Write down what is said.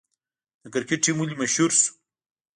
د کرکټ ټیم ولې مشهور شو؟